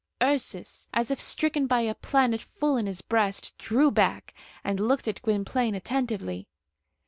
Ursus, as if stricken by a planet full in his breast, drew back, and looked at Gwynplaine attentively.